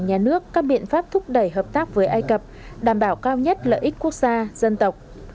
nhà nước các biện pháp thúc đẩy hợp tác với ai cập đảm bảo cao nhất lợi ích quốc gia dân tộc